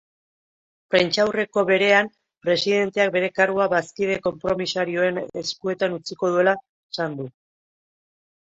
Prentsaurreko berean, presidenteak bere kargua bazkide konpromisarioen eskutean utziko duela esan du.